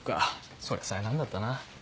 そりゃ災難だったな。